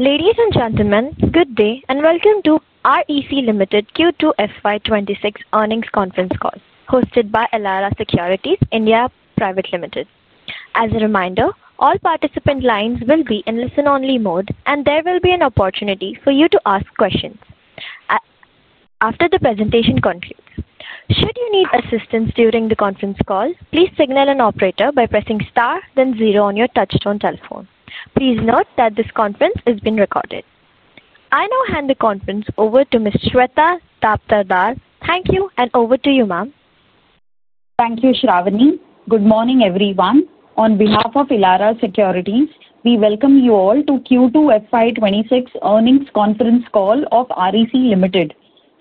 Ladies and gentlemen, good day and welcome to REC Limited Q2 FY 2026 earnings conference call hosted by Elara Securities India Private Limited. As a reminder, all participant lines will be in listen-only mode, and there will be an opportunity for you to ask questions after the presentation concludes. Should you need assistance during the conference call, please signal an operator by pressing star then zero on your touchtone telephone. Please note that this conference is being recorded. I now hand the conference over to Ms. Shweta Daptardar. Thank you, and over to you, ma'am. Thank you, Shravani. Good morning, everyone. On behalf of Elara Securities, we welcome you all to Q2 FY 2026 earnings conference call of REC Limited.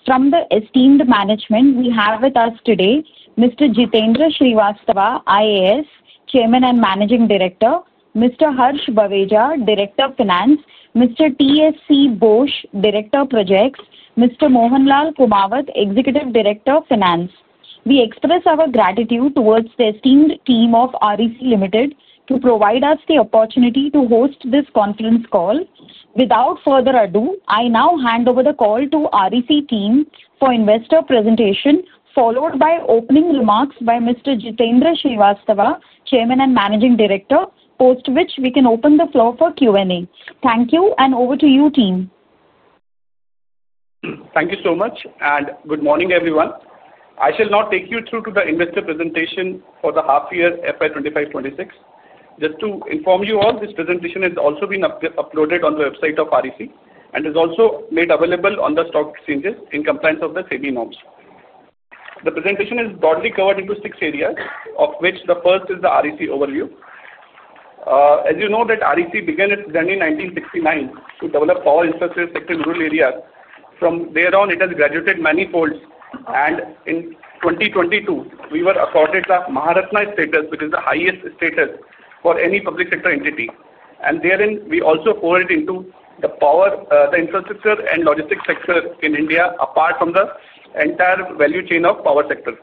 From the esteemed management, we have with us today Mr. Jitendra Srivastava, IAS, Chairman and Managing Director, Mr. Harsh Baweja, Director of Finance, Mr. T.S.C. Bose, Director of Projects, and Mr. Mohanlal Kumawat, Executive Director of Finance. We express our gratitude towards the esteemed team of REC Limited for providing us the opportunity to host this conference call. Without further ado, I now hand over the call to the REC team for investor presentation, followed by opening remarks by Mr. Jitendra Srivastava, Chairman and Managing Director, after which we can open the floor for Q&A. Thank you, and over to you, team. Thank you so much, and good morning, everyone. I shall now take you through to the investor presentation for the half-year FY 2025-2026. Just to inform you all, this presentation is also being uploaded on the website of REC and is also made available on the stock exchanges in compliance with the SEBI norms. The presentation is broadly covered into six areas, of which the first is the REC overview. As you know, REC began its journey in 1969 to develop power infrastructure in rural areas. From thereon, it has graduated many folds, and in 2022, we were accorded Maharatna status, which is the highest status for any public sector entity. Therein, we also forayed into the power, the infrastructure, and logistics sector in India, apart from the entire value chain of the power sector.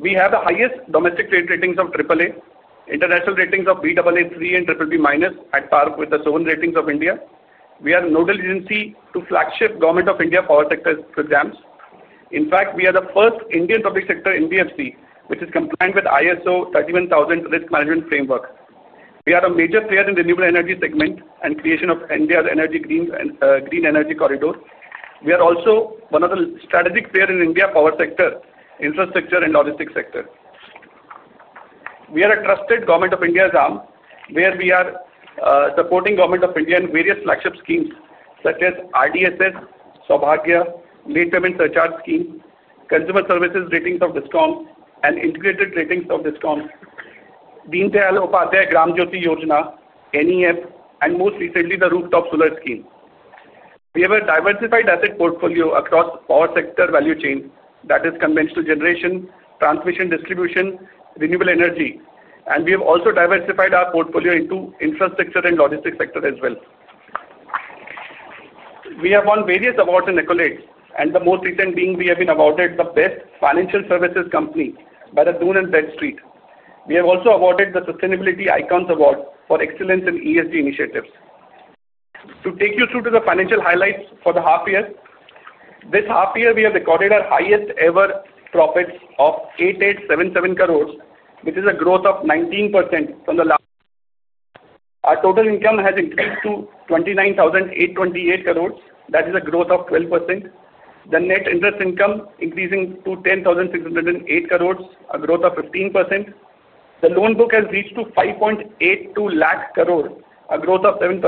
We have the highest domestic credit ratings of AAA, international ratings of Baa3, BBB-, and AAA at par with the sovereign ratings of India. We are a nodal agency to flagship Government of India power sector programs. In fact, we are the first Indian public sector NBFC which is compliant with ISO 31000 Risk Management Framework. We are a major player in the renewable energy segment and creation of India's green energy corridor. We are also one of the strategic players in India's power sector, infrastructure, and logistics sector. We are a trusted Government of India arm, where we are supporting Government of India in various flagship schemes, such as RDSS, SAUBHAGYA, late payment surcharge scheme, consumer services ratings of DISCOM, and integrated ratings of DISCOM, Deen Dayal Upadhyaya Gram Jyoti Yojana, NEF, and most recently, the rooftop solar scheme. We have a diversified asset portfolio across our sector value chain that is conventional generation, transmission, distribution, renewable energy, and we have also diversified our portfolio into infrastructure and logistics sector as well. We have won various awards and accolades, and the most recent being we have been awarded the Best Financial Services Company by Dun & Bradstreet. We have also been awarded the Sustainability Icons Award for excellence in ESG initiatives. To take you through to the financial highlights for the half year, this half year, we have recorded our highest ever profits of 8,877 crore, which is a growth of 19% from the last quarter. Our total income has increased to 29,828 crore, that is a growth of 12%. The net interest income is increasing to 10,608 crore, a growth of 15%. The loan book has reached 5.82 lakh crore, a growth of 7%.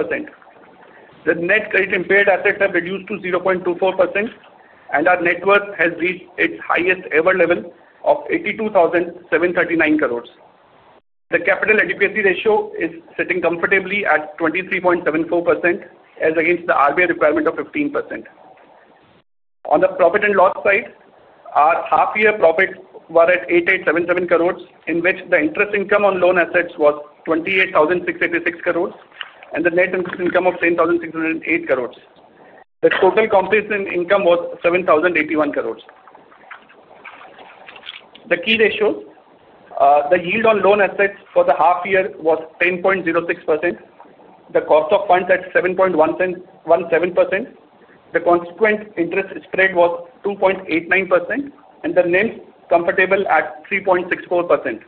The net credit impaired assets have reduced to 0.24%, and our net worth has reached its highest ever level of 82,739 crore. The capital adequacy ratio is sitting comfortably at 23.74%, as against the RBI requirement of 15%. On the profit and loss side, our half-year profits were at 8,877 crore, in which the interest income on loan assets was 28,686 crore, and the net interest income of 10,608 crore. The total compensation income was 7,081 crore. The key ratios, the yield on loan assets for the half year was 10.06%. The cost of funds at 7.17%. The consequent interest spread was 2.89%, and the NIMs comfortable at 3.64%.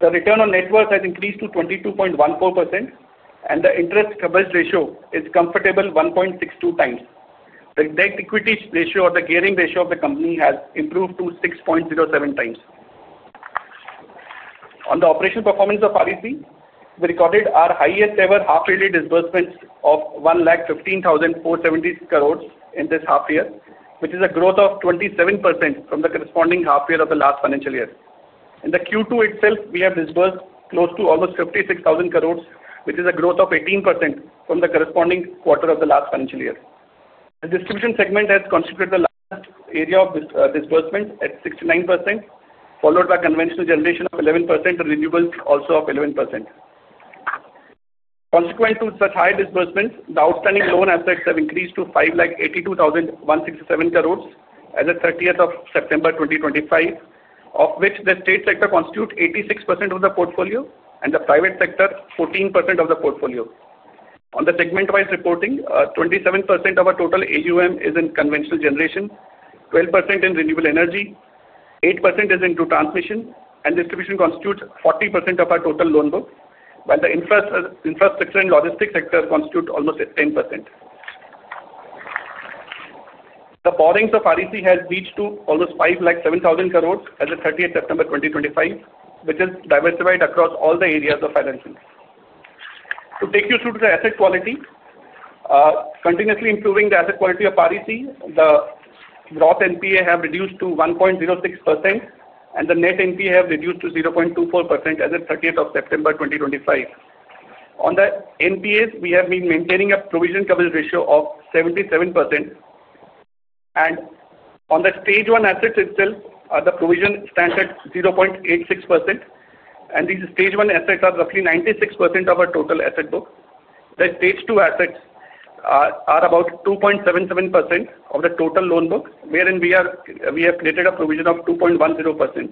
The return on net worth has increased to 22.14%, and the interest coverage ratio is comfortable at 1.62x. The debt equity ratio or the gearing ratio of the company has improved to 6.07x. On the operational performance of REC, we recorded our highest ever half-year disbursements of 1,11,547 crore in this half year, which is a growth of 27% from the corresponding half year of the last financial year. In Q2 itself, we have disbursed close to almost 56,000 crore, which is a growth of 18% from the corresponding quarter of the last financial year. The distribution segment has constituted the largest area of disbursement at 69%, followed by conventional generation at 11%, and renewables also at 11%. Consequent to such high disbursements, the outstanding loan assets have increased to 5,82,167 crore as of 30th September 2025, of which the state sector constitutes 86% of the portfolio and the private sector 14% of the portfolio. On the segment-wise reporting, 27% of our total AUM is in conventional generation, 12% in renewable energy, 8% is in transmission, and distribution constitutes 40% of our total loan book, while the infrastructure and logistics sector constitutes almost 10%. The borrowings of REC have reached to almost 5,00,700 crore as of 30th September 2025, which is diversified across all the areas of financing. To take you through to the asset quality, continuously improving the asset quality of REC, the gross NPA have reduced to 1.06%, and the net NPA have reduced to 0.24% as of 30th September 2025. On the NPAs, we have been maintaining a provision coverage ratio of 77%, and on the stage one assets itself, the provision stands at 0.86%, and these stage one assets are roughly 96% of our total asset book. The stage two assets are about 2.77% of the total loan book, wherein we have created a provision of 2.10%.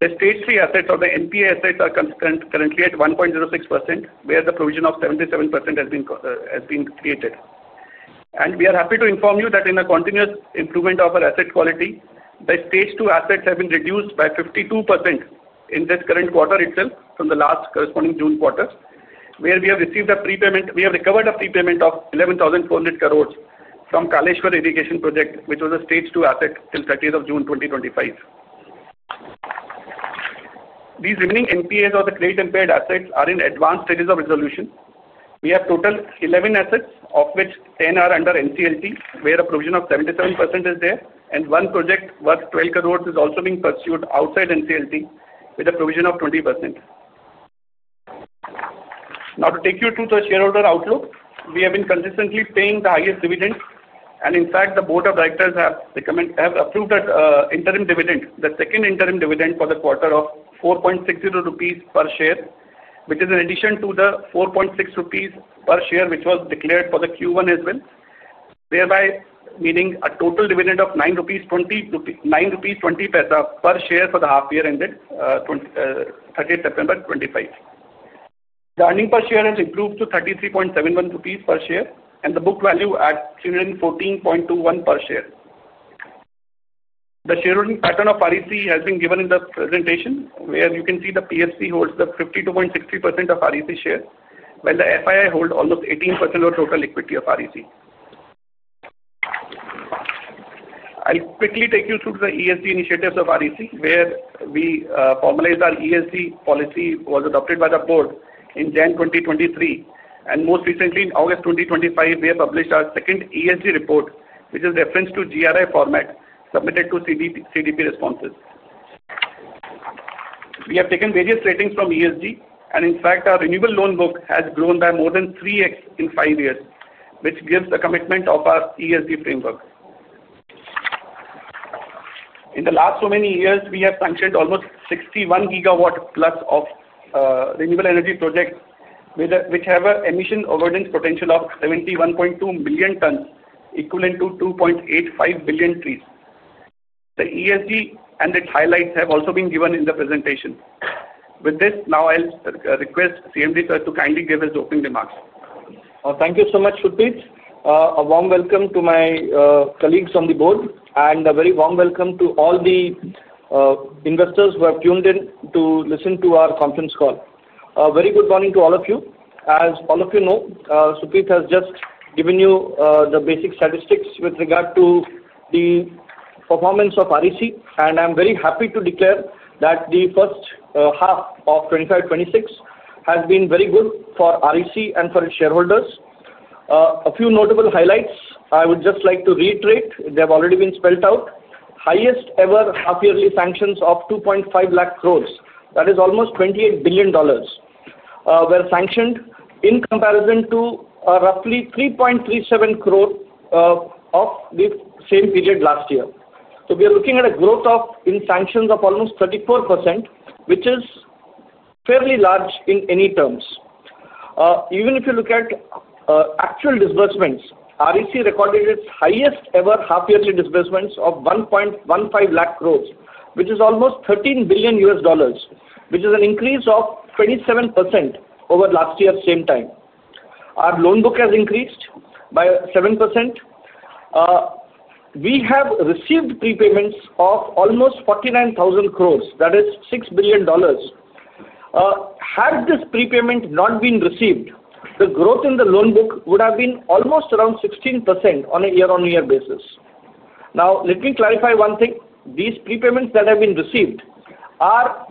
The stage three assets or the NPA assets are currently at 1.06%, where the provision of 77% has been created. We are happy to inform you that in a continuous improvement of our asset quality, the stage two assets have been reduced by 52% in this current quarter itself from the last corresponding June quarter, where we have received a prepayment. We have recovered a prepayment of 11,400 million from Kaleshwaram Irrigation Project, which was a stage two asset till 30th of June 2025. These remaining NPAs or the credit impaired assets are in advanced stages of resolution. We have total 11 assets, of which 10 are under NCLT, where a provision of 77% is there, and one project worth 120 million is also being pursued outside NCLT with a provision of 20%. Now, to take you through the shareholder outlook, we have been consistently paying the highest dividend, and in fact, the Board of Directors have approved an interim dividend, the second interim dividend for the quarter of 4.60 rupees per share, which is in addition to the 4.60 rupees per share which was declared for the Q1 as well, thereby meaning a total dividend of 9.20 rupees per share for the half year ended 30th September 2025. The earning per share has improved to 33.71 rupees per share, and the book value at 314.21 per share. The shareholding pattern of REC has been given in the presentation, where you can see the PSC holds the 52.60% of REC shares, while the FII holds almost 18% of the total equity of REC. I'll quickly take you through the ESG initiatives of REC, where we formalized our ESG policy, which was adopted by the board in January 2023, and most recently in August 2025, we have published our second ESG report, which is referenced to GRI format submitted to CDP Responses. We have taken various ratings from ESG, and in fact, our renewable loan book has grown by more than 3x in five years, which gives a commitment of our ESG framework. In the last so many years, we have sanctioned almost 61 GW plus of renewable energy projects, which have an emission avoidance potential of 71.2 million tons, equivalent to 2.85 billion trees. The ESG and its highlights have also been given in the presentation. With this, now I'll request CMD to kindly give his opening remarks. Thank you so much, Supit. A warm welcome to my colleagues on the board, and a very warm welcome to all the investors who have tuned in to listen to our conference call. A very good morning to all of you. As all of you know, Supit has just given you the basic statistics with regard to the performance of REC, and I'm very happy to declare that the first half of 2025-26 has been very good for REC and for its shareholders. A few notable highlights I would just like to reiterate. They have already been spelled out. Highest ever half-yearly sanctions of 2.5 lakh crore. That is almost $28 billion were sanctioned in comparison to roughly 3.37 lakh crore of the same period last year. We are looking at a growth in sanctions of almost 34%, which is fairly large in any terms. Even if you look at actual disbursements, REC recorded its highest ever half-year disbursements of 1.15 lakh crore, which is almost $13 billion, which is an increase of 27% over last year's same time. Our loan book has increased by 7%. We have received pre-payments of almost 49,000 crore. That is $6 billion. Had this pre-payment not been received, the growth in the loan book would have been almost around 16% on a year-on-year basis. Now, let me clarify one thing. These pre-payments that have been received are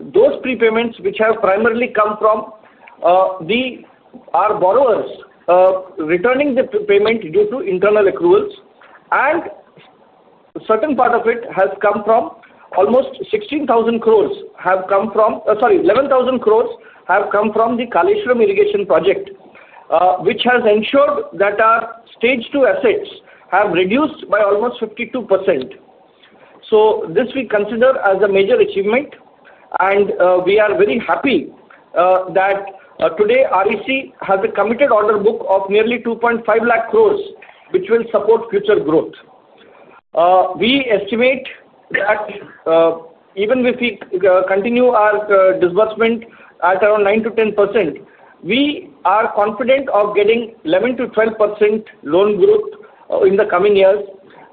those pre-payments which have primarily come from our borrowers returning the payment due to internal accruals, and a certain part of it has come from almost 16,000 crore have come from, sorry, 11,000 crore have come from the Kaleshwaram Irrigation Project, which has ensured that our stage two assets have reduced by almost 52%. This we consider as a major achievement, and we are very happy that today REC has a committed order book of nearly 2.5 lakh crore, which will support future growth. We estimate that even if we continue our disbursement at around 9%-10%, we are confident of getting 11% to 12% loan growth in the coming years.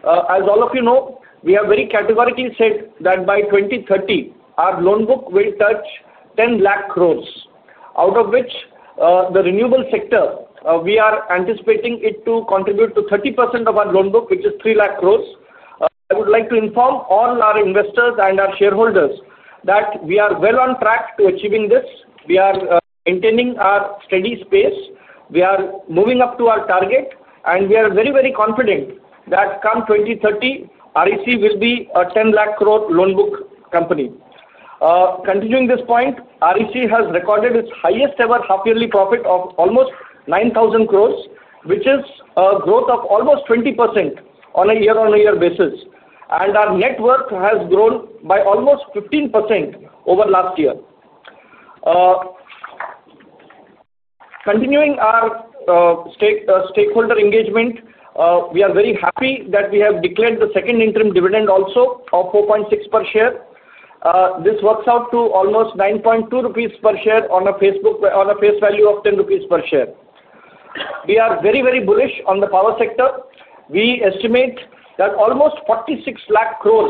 As all of you know, we have very categorically said that by 2030, our loan book will touch 10 lakh crore, out of which the renewable sector, we are anticipating it to contribute to 30% of our loan book, which is 3 lakh crore. I would like to inform all our investors and our shareholders that we are well on track to achieving this. We are maintaining our steady pace. We are moving up to our target, and we are very, very confident that come 2030, REC will be a 10 lakh crore loan book company. Continuing this point, REC has recorded its highest ever half-yearly profit of almost 9,000 crore, which is a growth of almost 20% on a year-on-year basis, and our net worth has grown by almost 15% over last year. Continuing our stakeholder engagement, we are very happy that we have declared the second interim dividend also of 4.6 per share. This works out to almost 9.2 rupees per share on a face value of 10 rupees per share. We are very, very bullish on the power sector. We estimate that almost 46 lakh crore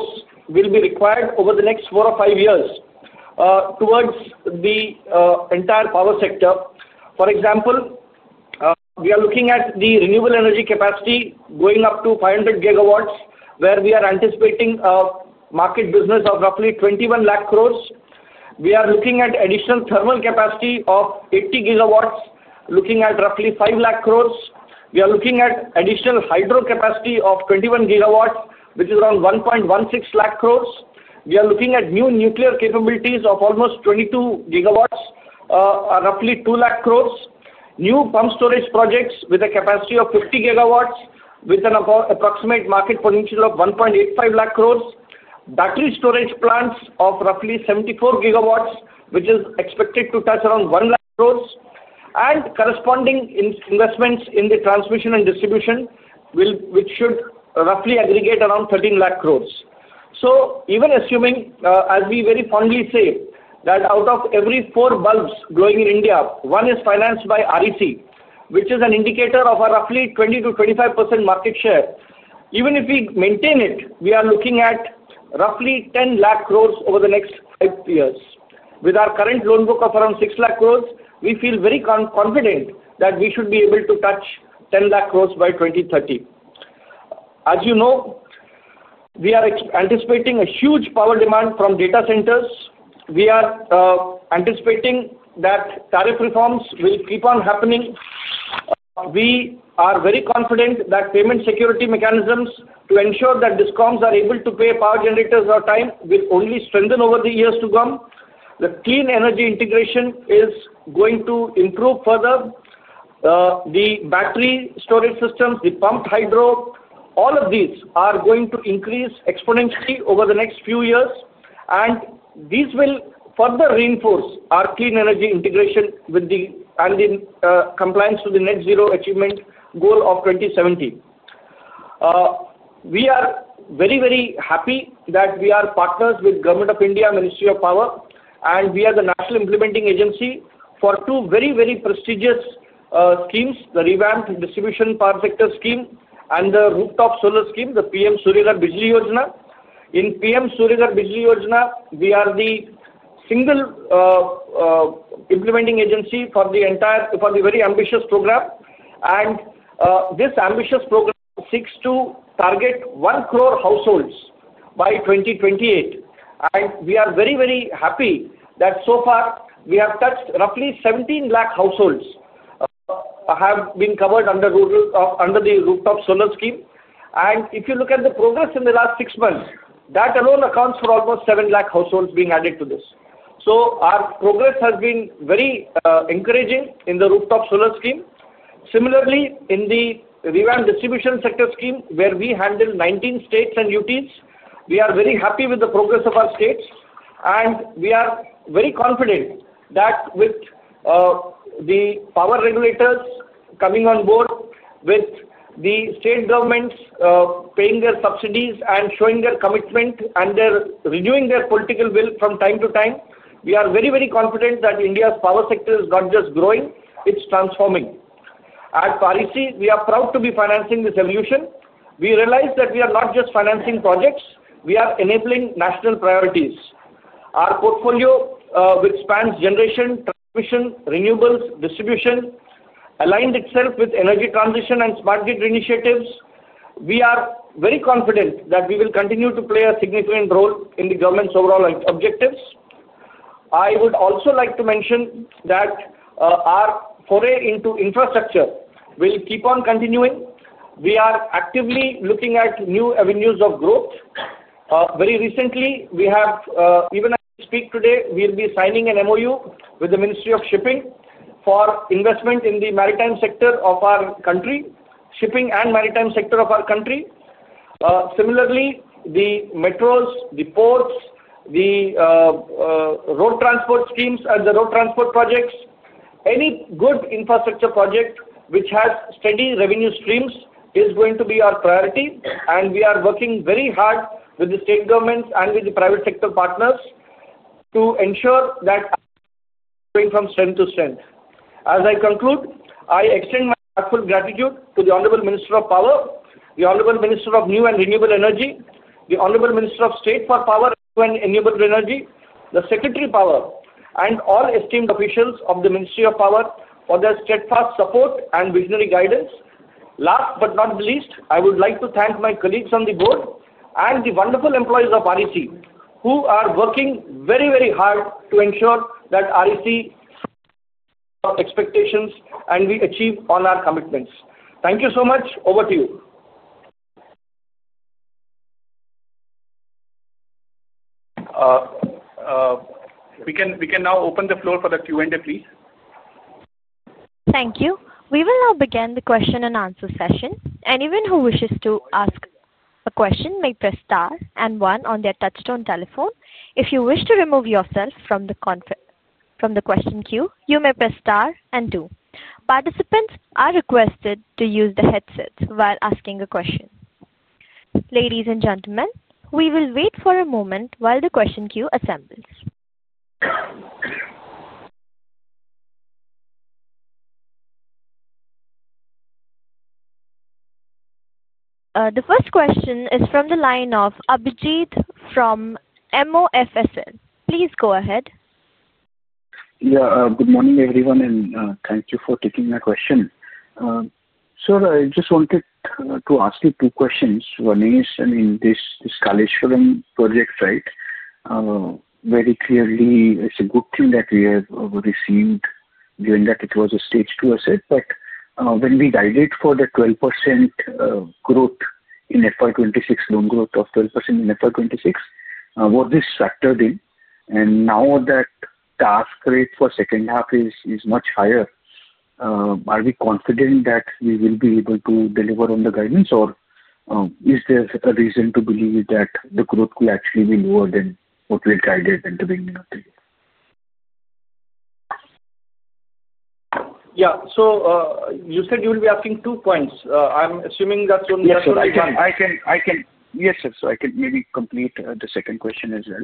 will be required over the next four or five years towards the entire power sector. For example, we are looking at the renewable energy capacity going up to 500 GW, where we are anticipating a market business of roughly 21 lakh crore. We are looking at additional thermal capacity of 80 GW, looking at roughly 5 lakh crore. We are looking at additional hydro capacity of 21 GW, which is around 1.16 lakh crore. We are looking at new nuclear capabilities of almost 22 GW, roughly 2 lakh crore. New pump storage projects with a capacity of 50 GW, with an approximate market potential of 1.85 lakh crore. Battery storage plants of roughly 74 GW, which is expected to touch around 1 lakh crore, and corresponding investments in the transmission and distribution, which should roughly aggregate around 13 lakh crore. Even assuming, as we very fondly say, that out of every four bulbs glowing in India, one is financed by REC, which is an indicator of a roughly 20%-25% market share. Even if we maintain it, we are looking at roughly 10 lakh crore over the next five years. With our current loan book of around 6 lakh crore, we feel very confident that we should be able to touch 10 lakh crore by 2030. As you know, we are anticipating a huge power demand from data centers. We are anticipating that tariff reforms will keep on happening. We are very confident that payment security mechanisms to ensure that DISCOMs are able to pay power generators on time will only strengthen over the years to come. The clean energy integration is going to improve further. The battery storage systems, the pumped hydro, all of these are going to increase exponentially over the next few years, and these will further reinforce our clean energy integration and in compliance with the net zero achievement goal of 2070. We are very, very happy that we are partners with the Government of India, Ministry of Power, and we are the national implementing agency for two very, very prestigious schemes: the Revamped Distribution Sector Scheme and the rooftop solar scheme, the PM Surya Ghar Muft Bijli Yojana. In PM Surya Ghar Muft Bijli Yojana, we are the single implementing agency for the entire, for the very ambitious program, and this ambitious program seeks to target one crore households by 2028. We are very, very happy that so far we have touched roughly 17 lakh households have been covered under the rooftop solar scheme. If you look at the progress in the last six months, that alone accounts for almost 7 lakh households being added to this. Our progress has been very encouraging in the rooftop solar scheme. Similarly, in the Revamped Distribution Sector Scheme, where we handle 19 states and UTs, we are very happy with the progress of our states, and we are very confident that with the power regulators coming on board, with the state governments paying their subsidies and showing their commitment and renewing their political will from time to time, we are very, very confident that India's power sector is not just growing, it's transforming. At REC, we are proud to be financing this evolution. We realize that we are not just financing projects, we are enabling national priorities. Our portfolio, which spans generation, transmission, renewables, distribution, aligned itself with energy transition and smart grid initiatives, we are very confident that we will continue to play a significant role in the government's overall objectives. I would also like to mention that our foray into infrastructure will keep on continuing. We are actively looking at new avenues of growth. Very recently, we have, even as we speak today, we'll be signing an MOU with the Ministry of Shipping for investment in the maritime sector of our country, shipping and maritime sector of our country. Similarly, the metros, the ports, the road transport schemes, and the road transport projects, any good infrastructure project which has steady revenue streams is going to be our priority, and we are working very hard with the state governments and with the private sector partners to ensure that going from strength to strength. As I conclude, I extend my heartfelt gratitude to the Honorable Minister of Power, the Honorable Minister of New and Renewable Energy, the Honorable Minister of State for Power and Renewable Energy, the Secretary of Power, and all esteemed officials of the Ministry of Power for their steadfast support and visionary guidance. Last but not least, I would like to thank my colleagues on the Board and the wonderful employees of REC who are working very, very hard to ensure that REC meets our expectations and we achieve all our commitments. Thank you so much. Over to you. We can now open the floor for the Q&A, please. Thank you. We will now begin the question and answer session. Anyone who wishes to ask a question may press star and one on their touchtone telephone. If you wish to remove yourself from the question queue, you may press star and two. Participants are requested to use the headsets while asking a question. Ladies and gentlemen, we will wait for a moment while the question queue assembles. The first question is from the line of Abhijit from MOFSL. Please go ahead. Yeah. Good morning, everyone, and thank you for taking my question. Sir, I just wanted to ask you two questions. One is, I mean, this Kaleshwaram Irrigation Project, right, very clearly, it's a good thing that we have received given that it was a stage two asset. When we dilate for the 12% growth in FY 2026, loan growth of 12% in FY 2026, was this factored in? Now that task rate for the second half is much higher, are we confident that we will be able to deliver on the guidance, or is there a reason to believe that the growth will actually be lower than what we had guided at the beginning of the year? Yeah, you said you will be asking two points. I'm assuming that's only. Yes, sir. I can maybe complete the second question as well.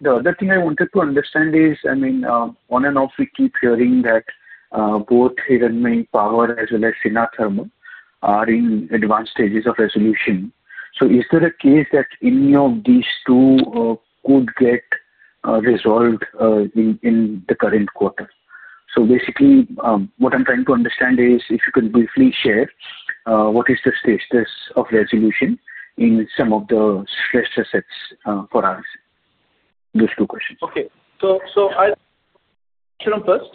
The other thing I wanted to understand is, on and off we keep hearing that both Hidden Main Power as well as Sasan Power are in advanced stages of resolution. Is there a case that any of these two could get resolved in the current quarter? What I'm trying to understand is if you could briefly share what is the status of resolution in some of the stress assets for us. Those two questions. Okay. I'll answer them first.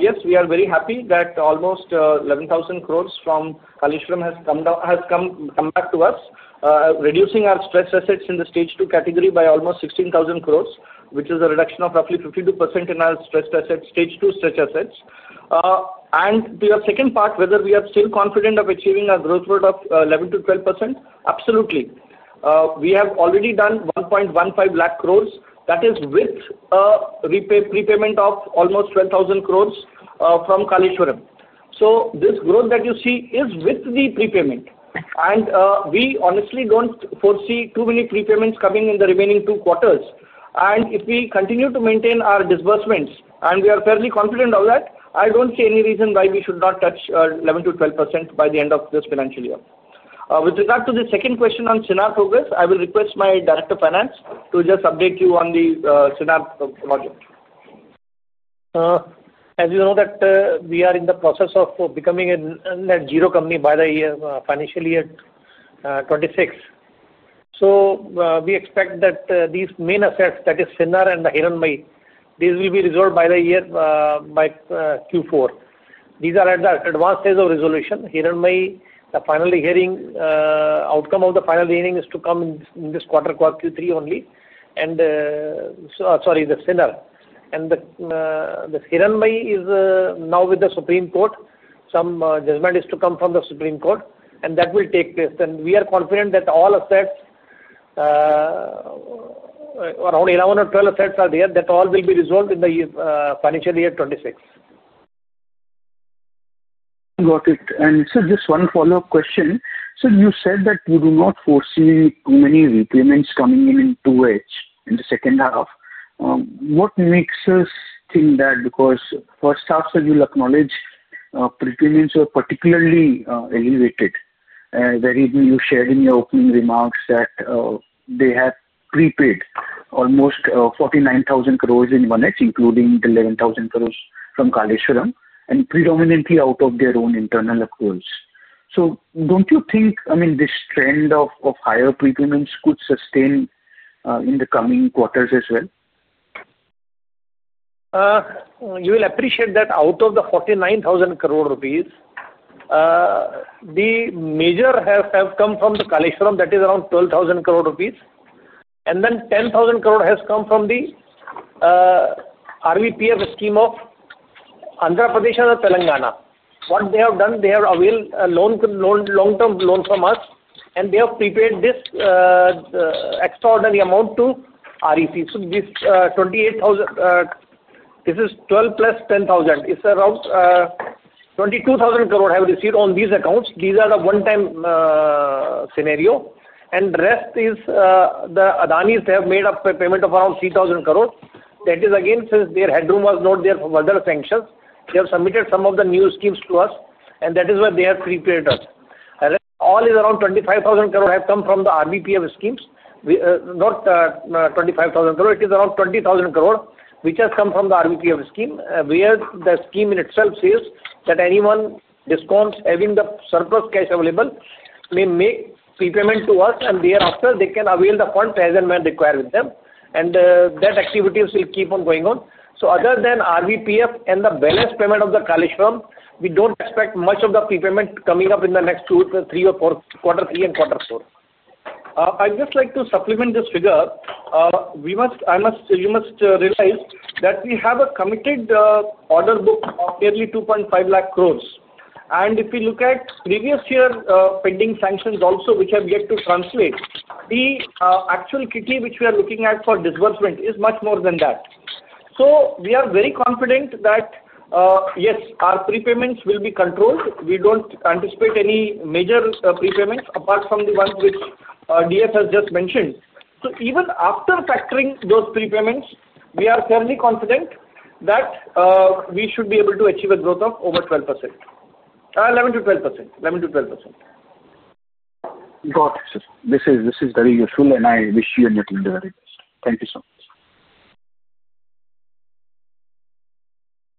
Yes, we are very happy that almost 11,000 crore from Kaleshwaram has come back to us, reducing our stress assets in the stage two category by almost 16,000 crore, which is a reduction of roughly 52% in our stress assets, stage two stress assets. To your second part, whether we are still confident of achieving a growth rate of 11%-12%, absolutely. We have already done 1.15 lakh crore. That is with a prepayment of almost 12,000 crore from Kaleshwaram. This growth that you see is with the prepayment, and we honestly don't foresee too many prepayments coming in the remaining two quarters. If we continue to maintain our disbursements, and we are fairly confident of that, I don't see any reason why we should not touch 11%-12% by the end of this financial year. With regard to the second question on Sena progress, I will request my Director of Finance to just update you on the Sena project. As you know, we are in the process of becoming a net zero company by the financial year 2026. We expect that these main assets, that is Sena and the Hirakud, will be resolved by the year, by Q4. These are at the advanced stage of resolution. Hirakud, the outcome of the final hearing is to come in this quarter, Q3 only, and the Sena. The Hirakud is now with the Supreme Court. Some judgment is to come from the Supreme Court, and that will take place. We are confident that all assets, around 11 or 12 assets, are there, that all will be resolved in the financial year 2026. Got it. Sir, just one follow-up question. You said that you do not foresee too many repayments coming in two ways in the second half. What makes us think that? Because in the first half, as you acknowledge, prepayments were particularly elevated. You shared in your opening remarks that they have prepaid almost 49,000 crore in 1H, including the 11,000 crore from Kaleshwaram, and predominantly out of their own internal accruals. Don't you think this trend of higher prepayments could sustain in the coming quarters as well? You will appreciate that out of the 49,000 crore rupees, the major have come from the Kaleshwaram. That is around 12,000 crore rupees. Then 10,000 crore has come from the RVPF scheme of Andhra Pradesh and Telangana. What they have done, they have availed a long-term loan from us, and they have prepaid this extraordinary amount to REC. This 28,000, this is 12 plus 10,000. It's around 22,000 crore have received on these accounts. These are the one-time scenario. The rest is the Adani. They have made a pre-payment of around 3,000 crore. That is, again, since their headroom was not there for further sanctions, they have submitted some of the new schemes to us, and that is where they have prepaid us. All is around 25,000 crore have come from the RVPF schemes. Not 25,000 crore. It is around 20,000 crore, which has come from the RVPF scheme, where the scheme in itself says that anyone DISCOMs having the surplus cash available may make pre-payment to us, and thereafter, they can avail the funds as and when required with them. That activity will keep on going on. Other than RVPF and the balance payment of the Kaleshwaram, we don't expect much of the pre-payment coming up in the next two or three or four quarters, three and quarter four. I'd just like to supplement this figure. We must, I must, you must realize that we have a committed order book of nearly 2.5 lakh crore. If we look at previous year pending sanctions also, which have yet to translate, the actual kitty which we are looking at for disbursement is much more than that. We are very confident that, yes, our pre-payments will be controlled. We don't anticipate any major pre-payments apart from the ones which DS has just mentioned. Even after factoring those pre-payments, we are fairly confident that we should be able to achieve a growth of over 12%, 11% to 12%, 11% to 12%. Got it, sir. This is very useful, and I wish you and your team the very best. Thank you so much.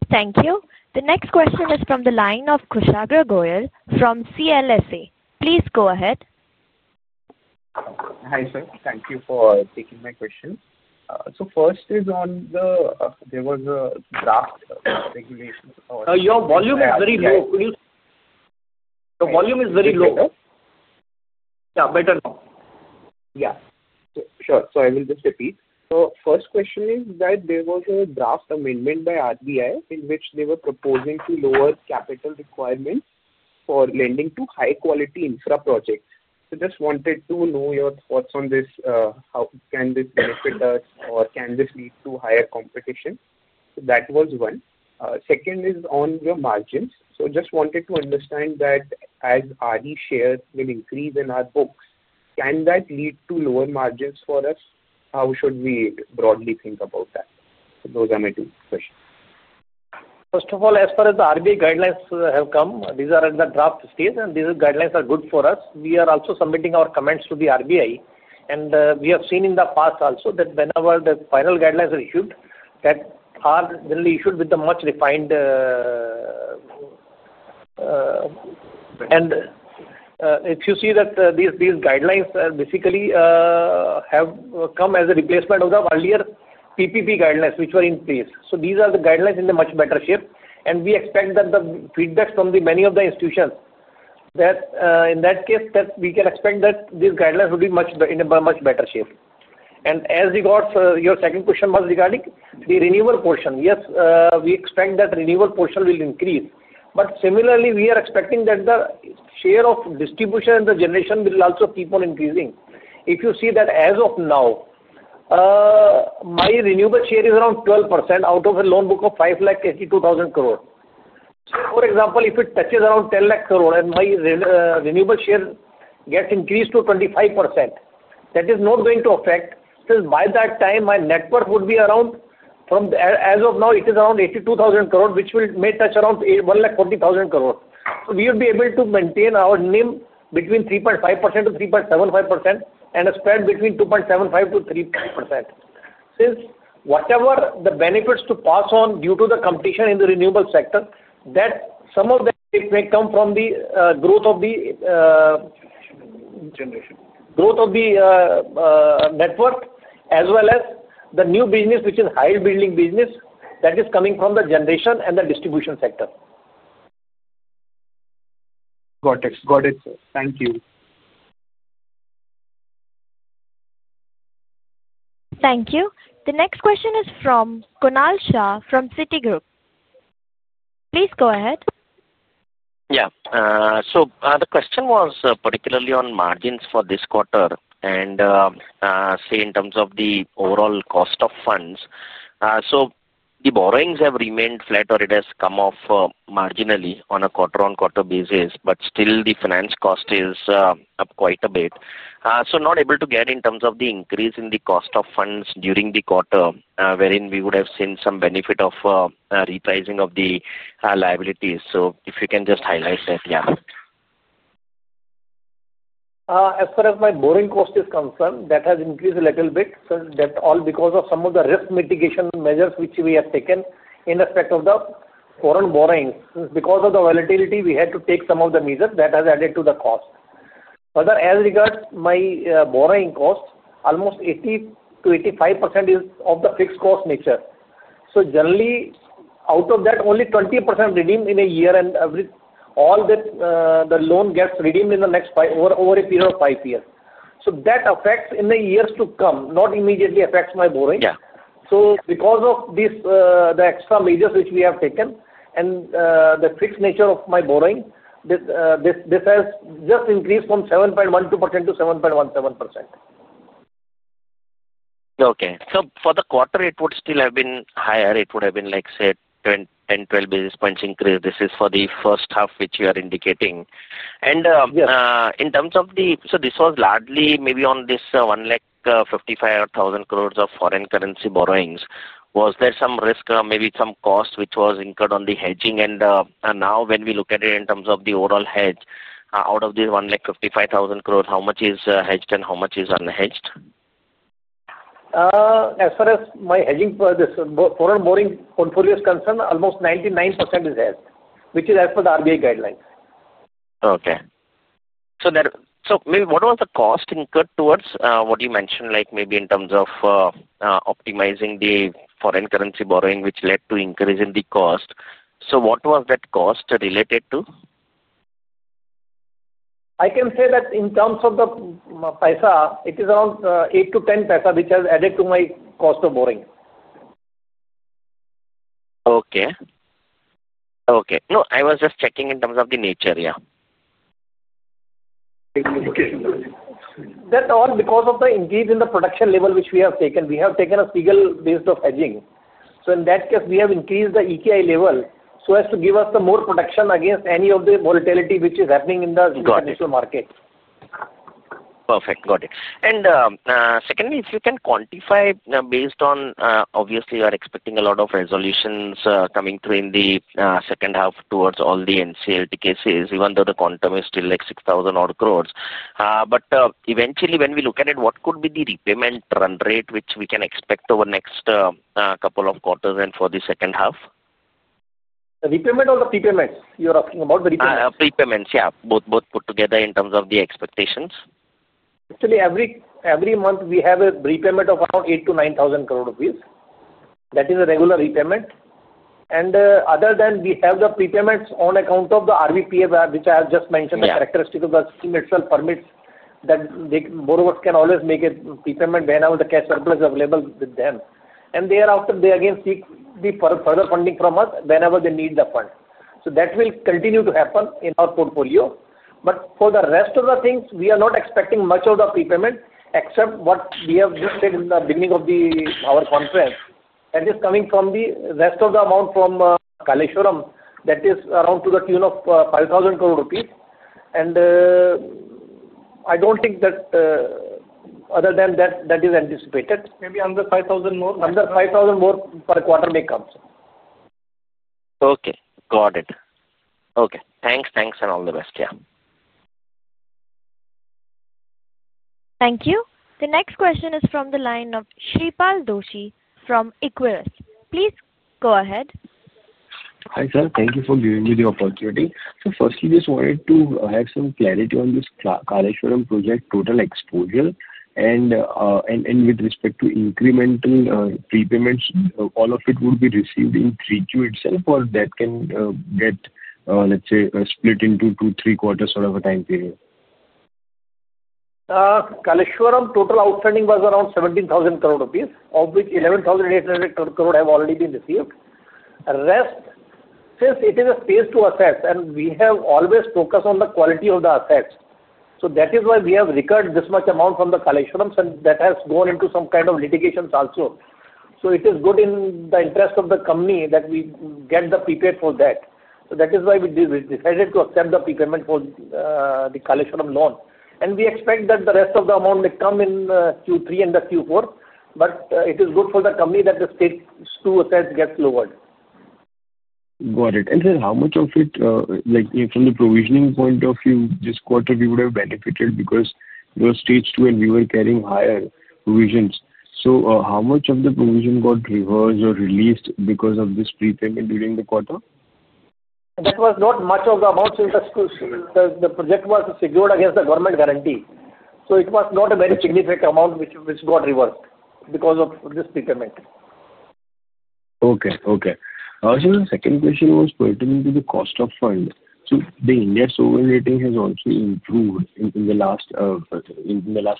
Thank you. The next question is from the line of Kushagra Goel from CLSA. Please go ahead. Hi, sir. Thank you for taking my question. First is on the, there was a draft regulation. Your volume is very low. The volume is very low. Yeah, better now. Yeah, sure. I will just repeat. First question is that there was a draft amendment by RBI in which they were proposing to lower capital requirements for lending to high-quality infra projects. I just wanted to know your thoughts on this. How can this benefit us, or can this lead to higher competition? That was one. Second is on your margins. I just wanted to understand that as RE shares will increase in our books, can that lead to lower margins for us? How should we broadly think about that? Those are my two questions. First of all, as far as the RBI guidelines have come, these are at the draft stage, and these guidelines are good for us. We are also submitting our comments to the RBI. We have seen in the past also that whenever the final guidelines are issued, they are generally issued much refined. If you see that these guidelines basically have come as a replacement of the earlier PPP guidelines which were in place, these are the guidelines in a much better shape. We expect that the feedback from many of the institutions, in that case, we can expect that these guidelines would be in a much better shape. As regards your second question regarding the renewable portion, yes, we expect that renewable portion will increase. Similarly, we are expecting that the share of distribution and the generation will also keep on increasing. If you see that as of now, my renewable share is around 12% out of a loan book of 582,000 crore. For example, if it touches around 1 trillion and my renewable share gets increased to 25%, that is not going to affect since by that time, my net worth would be around, from as of now, it is around 82,000 crore, which may touch around 140,000 crore. We would be able to maintain our NIM between 3.5% to 3.75% and a spread between 2.75% to 3.5%. Whatever the benefits to pass on due to the competition in the renewable sector, some of that may come from the growth of the net worth, as well as the new business, which is a higher building business that is coming from the generation and the distribution sector. Got it. Got it, sir. Thank you. Thank you. The next question is from Kunal Shah from Citigroup. Please go ahead. The question was particularly on margins for this quarter and in terms of the overall cost of funds. The borrowings have remained flat, or it has come off marginally on a quarter-on-quarter basis, but still, the finance cost is up quite a bit. Not able to get in terms of the increase in the cost of funds during the quarter wherein we would have seen some benefit of repricing of the liabilities. If you can just highlight that, yeah. As far as my borrowing cost is concerned, that has increased a little bit, since that is all because of some of the risk mitigation measures which we have taken in respect of the foreign borrowings. Since because of the volatility, we had to take some of the measures that have added to the cost. As regards my borrowing cost, almost 80%-85% is of the fixed cost nature. Generally, out of that, only 20% redeemed in a year, and all that the loan gets redeemed in the next five, over a period of five years. That affects in the years to come, not immediately affects my borrowing. Because of this, the extra measures which we have taken and the fixed nature of my borrowing, this has just increased from 7.12%-7.17%. Okay. For the quarter, it would still have been higher. It would have been like, say, 10 or 12 bps increase. This is for the first half which you are indicating. In terms of this, it was largely maybe on this 1,055,000 crore of foreign currency borrowings. Was there some risk, maybe some cost which was incurred on the hedging? Now, when we look at it in terms of the overall hedge, out of this 1,055,000 crore, how much is hedged and how much is unhedged? As far as my hedging for this foreign borrowing portfolio is concerned, almost 99% is hedged, which is as per the RBI guidelines. Okay. What was the cost incurred towards what you mentioned, like in terms of optimizing the foreign currency borrowing, which led to increase in the cost? What was that cost related to? I can say that in terms of the paisa, it is around 0.08 to 0.10, which has added to my cost of borrowing. Okay. I was just checking in terms of the nature, yeah. That's all because of the increase in the production level which we have taken. We have taken a seagull based off hedging. In that case, we have increased the EKI level to give us more protection against any of the volatility which is happening in the international market. Perfect. Got it. Secondly, if you can quantify, obviously, you are expecting a lot of resolutions coming through in the second half towards all the NCLT cases, even though the quantum is still like 6,000 crore. Eventually, when we look at it, what could be the repayment run rate which we can expect over the next couple of quarters and for the second half? The repayment or the pre-payments you're asking about? The repayment? Pre-payments, yeah. Both put together in terms of the expectations. Actually, every month we have a repayment of around 8,000 to 9,000 crore rupees. That is a regular repayment. Other than that, we have the pre-payments on account of the RVPF, which I have just mentioned. The characteristic of the scheme itself permits that borrowers can always make a pre-payment whenever the cash surplus is available with them. Thereafter, they again seek further funding from us whenever they need the fund. That will continue to happen in our portfolio. For the rest of the things, we are not expecting much of the pre-payment except what we have just said in the beginning of our conference. That is coming from the rest of the amount from Kaleshwaram. That is around to the tune of 5,000 crore rupees. I don't think that other than that, that is anticipated. Maybe under 5,000 more per quarter may come. Okay, got it. Okay, thanks. Thanks and all the best. Thank you. The next question is from the line of Shreepal Doshi from Equirus. Please go ahead. Hi, sir. Thank you for giving me the opportunity. Firstly, I just wanted to have some clarity on this Kaleshwaram Irrigation Project total exposure. With respect to incremental pre-payments, all of it would be received in Q3 itself, or can that get, let's say, split into two, three quarters sort of a time period? Kaleshwaram total outstanding was around 17,000 crore rupees, of which 11,800 crore have already been received. The rest, since it is a space to assess, and we have always focused on the quality of the assets. That is why we have recurred this much amount from the Kaleshwaram, and that has gone into some kind of litigations also. It is good in the interest of the company that we get the prepaid for that. That is why we decided to accept the prepayment for the Kaleshwaram loan. We expect that the rest of the amount may come in Q3 and Q4. It is good for the company that the stage two assets get lowered. Got it. Sir, how much of it, like from the provisioning point of view, this quarter we would have benefited because it was stage two and we were carrying higher provisions? How much of the provision got reversed or released because of this prepayment during the quarter? That was not much of the amount, since the project was secured against the government guarantee. It was not a very significant amount which got reversed because of this prepayment. Okay. The second question was pertinent to the cost of fund. The India sovereign rating has also improved in the last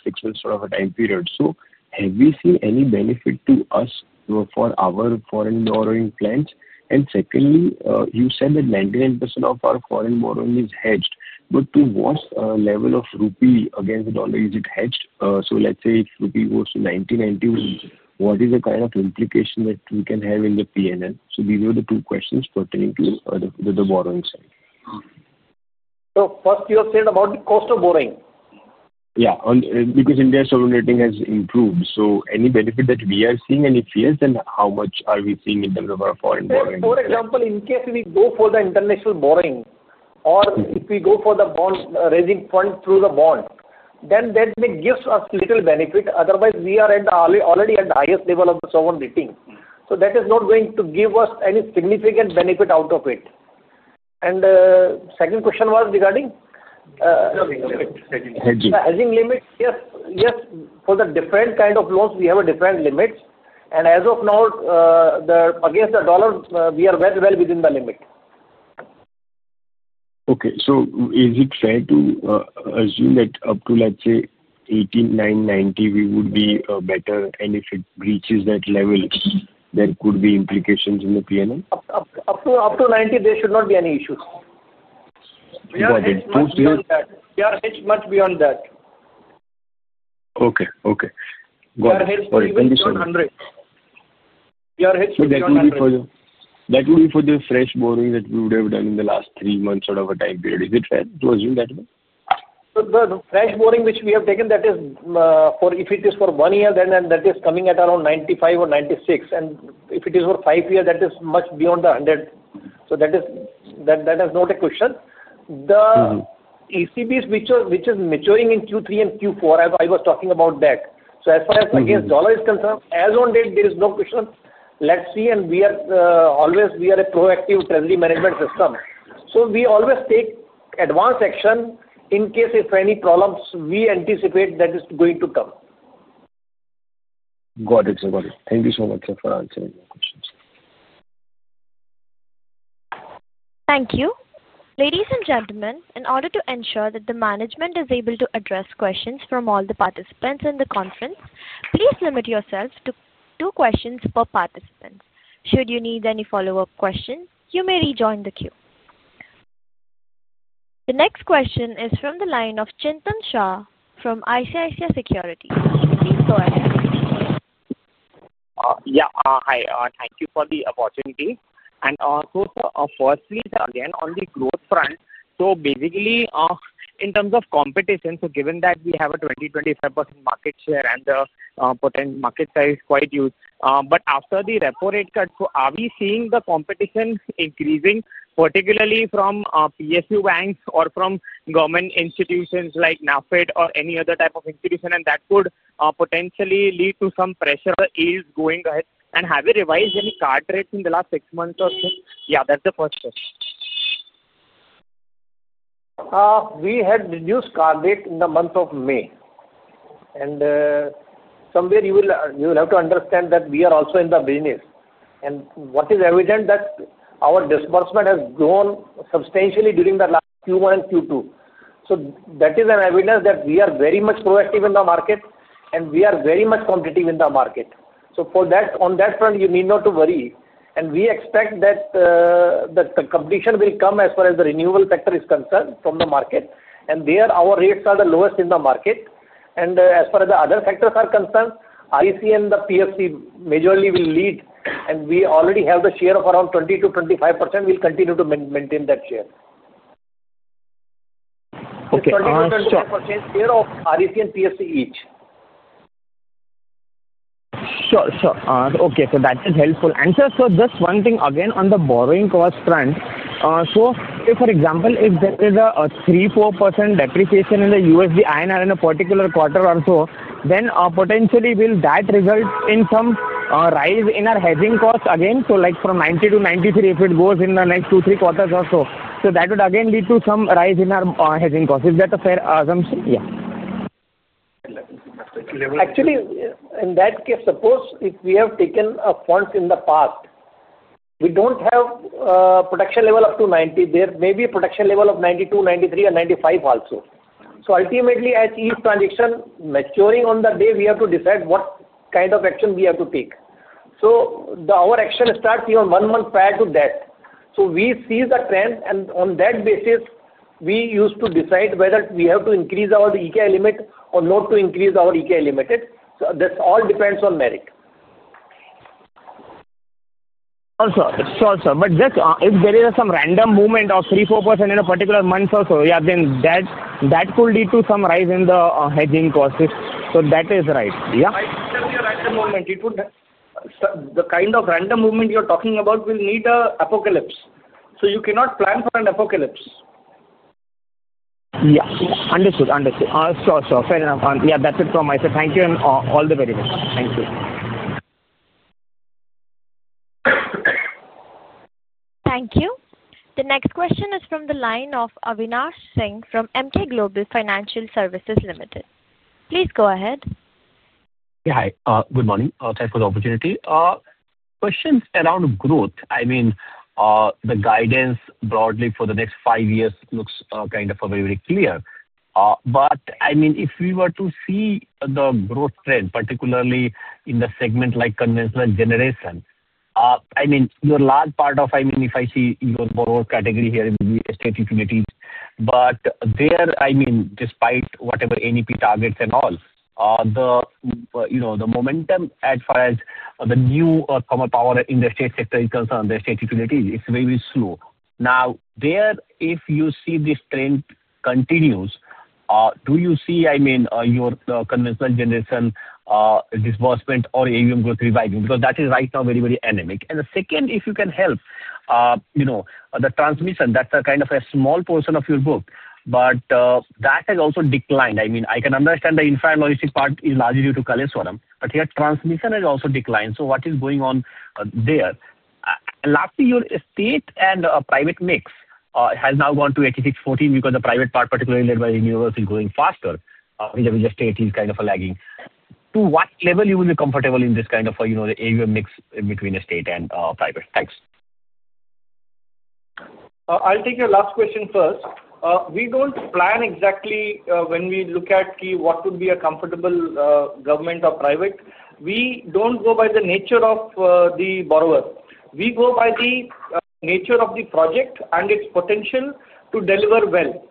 six months sort of a time period. Have we seen any benefit to us for our foreign borrowing plans? You said that 99% of our foreign borrowing is hedged. To what level of rupee against the dollar is it hedged? Let's say if rupee goes to 990, what is the kind of implication that we can have in the PNL? These are the two questions pertaining to the borrowing side. You have said about the cost of borrowing. Yeah, because India's sovereign rating has improved. Any benefit that we are seeing, any fears, and how much are we seeing in terms of our foreign borrowing? For example, in case we go for the international borrowing or if we go for the bond raising fund through the bond, that gives us little benefit. Otherwise, we are already at the highest level of the sovereign rating. That is not going to give us any significant benefit out of it. The second question was regarding the hedging limit. Hedging. Yes. For the different kind of loans, we have a different limit. As of now, against the dollar, we are very well within the limit. Okay. Is it fair to assume that up to, let's say, 18,990, we would be better? If it breaches that level, there could be implications in the P&L? Up to 90%, there should not be any issue. Got it. We are hedged much beyond that. Okay. Got it. We are hedged for beyond 100. That would be for the fresh borrowing that we would have done in the last three months, sort of a time period. Is it fair to assume that way? The fresh borrowing which we have taken, if it is for one year, then that is coming at around 95 or 96. If it is for five years, that is much beyond the 100. That is not a question. The ECBs, which are maturing in Q3 and Q4, I was talking about that. As far as against dollar is concerned, as on that, there is no question. Let's see. We are always a proactive treasury management system, so we always take advanced action in case if any problems we anticipate that is going to come. Got it, sir. Got it. Thank you so much, sir, for answering my questions. Thank you. Ladies and gentlemen, in order to ensure that the management is able to address questions from all the participants in the conference, please limit yourself to two questions per participant. Should you need any follow-up questions, you may rejoin the queue. The next question is from the line of Chintan Shah from ICICI Securities. Please go ahead. Hi. Thank you for the opportunity. Firstly, on the growth front, in terms of competition, given that we have a 20%-25% market share and the potential market size is quite huge, after the repo rate cuts, are we seeing the competition increasing, particularly from PSU banks or from government institutions like NaBFID or any other type of institution? That could potentially lead to some pressure or ease going ahead. Have you revised any car trades in the last six months or so? That's the first question. We had reduced car rate in the month of May. You will have to understand that we are also in the business. What is evident is that our disbursement has grown substantially during the last Q1 and Q2. That is evidence that we are very much proactive in the market, and we are very much competitive in the market. On that front, you need not to worry. We expect that the competition will come as far as the renewable sector is concerned from the market. There, our rates are the lowest in the market. As far as the other sectors are concerned, REC and the PFC majorly will lead. We already have the share of around 20%-25%. We'll continue to maintain that share. Okay, 20%-25% share of REC and PFC each. Sure, sure. Okay. That is helpful. Sir, just one thing again on the borrowing cost trend. If, for example, there is a 3%-4% depreciation in the USD/INR in a particular quarter or so, then potentially will that result in some rise in our hedging costs again? Like from 90 to 93, if it goes in the next two or three quarters, that would again lead to some rise in our hedging costs. Is that a fair assumption? Yeah. Actually, in that case, suppose if we have taken funds in the past, we don't have a production level up to 90. There may be a production level of 92, 93, or 95 also. Ultimately, as each transaction is maturing on the day, we have to decide what kind of action we have to take. Our action starts even one month prior to that. We see the trend, and on that basis, we used to decide whether we have to increase our EKI limit or not to increase our EKI limit. This all depends on merit. Sorry, sir. If there is some random movement of 3% or 4% in a particular month or so, that could lead to some rise in the hedging costs. That is right. I think that would be a random movement. It wouldn't have the kind of random movement you're talking about, will need an apocalypse. You cannot plan for an apocalypse. Understood. Sure, sure. Fair enough. That's it from my side. Thank you and all the very best. Thank you. Thank you. The next question is from the line of Avinash Singh from Emkay Global Financial Services Ltd. Please go ahead. Yeah. Hi. Good morning. Thanks for the opportunity. Questions around growth. I mean, the guidance broadly for the next five years looks kind of very, very clear. If we were to see the growth trend, particularly in the segment like conventional generation, your large part of, I mean, if I see your borrower category here in the state utilities, but there, despite whatever NEP targets and all, the momentum as far as the new thermal power in the state sector is concerned, the state utilities, it's very slow. If you see this trend continues, do you see your conventional generation disbursement or AUM growth revising? Because that is right now very, very anemic. The second, if you can help, the transmission, that's a kind of a small portion of your book, but that has also declined. I can understand the infra and logistic part is largely due to Kaleshwaram, but here, transmission has also declined. What is going on there? Lastly, your state and private mix has now gone to 86/14 because the private part, particularly led by renewables, is going faster, which is kind of lagging. To what level would you be comfortable in this kind of AUM mix between state and private? Thanks. I'll take your last question first. We don't plan exactly when we look at key what would be a comfortable government or private. We don't go by the nature of the borrower. We go by the nature of the project and its potential to deliver well.